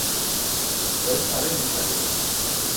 No'l faré mica yo.